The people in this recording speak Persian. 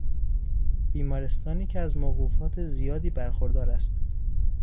بیمارستانی که از موقوفات زیادی برخوردار است